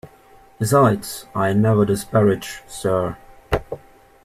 Besides, I never disparage, sir.